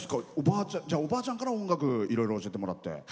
おばあちゃんから音楽をいろいろ教えてもらって。